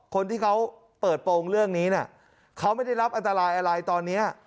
คนที่เขาเปิดโปรงเรื่องนี้นะเขาไม่ได้รับอันตรายอะไรตอนนี้